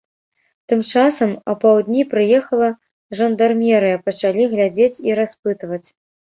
Тым часам апаўдні прыехала жандармерыя, пачалі глядзець і распытваць.